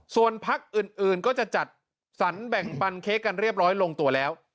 ส่วนพักอื่นก็จะจัดสรรแบ่งปันเค้กกันเรียบร้อยลงตัวแล้ว